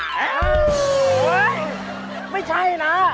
โอ้โฮเธอไม่ใช่นะ